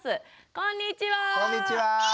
こんにちは。